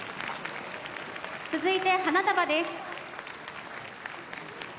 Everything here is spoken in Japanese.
続いて花束です。